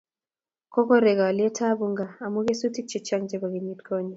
Kokorek olyetab Unga amu kesutik chechang chebo kenyit konye